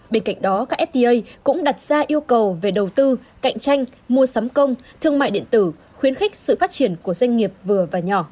bên cạnh đó các fda cũng đặt ra yêu cầu về đầu tư cạnh tranh mua sắm công thương mại điện tử khuyến khích sự phát triển của doanh nghiệp vừa và nhỏ